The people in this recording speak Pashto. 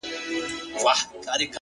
هوډ د ناکامۍ ویره کموي.!